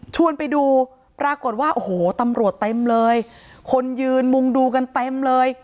ไปดูปรากฏว่าโอ้โหตำรวจเต็มเลยคนยืนมุงดูกันเต็มเลย